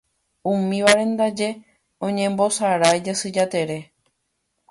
Umívare ndaje oñembosarái Jasy Jatere.